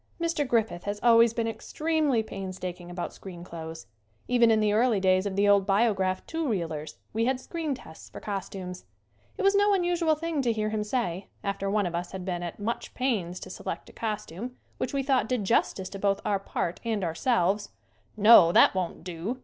68 SCREEN ACTING Mr. Griffith has always been extremely painstaking about screen clothes. Even in the early days of the old Biograph two reelers we had screen tests for costumes. It was no un usual thing to hear him say, after one of us had been at much pains to select a costume which we thought did justice to both our part and ourselves, "No, that won't do!"